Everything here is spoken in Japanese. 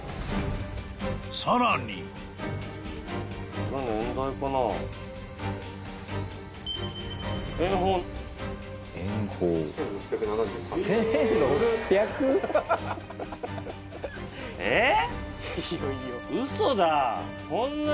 ［さらに］えっ！？